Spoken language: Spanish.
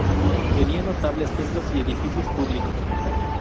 Tenía notables templos y edificios públicos.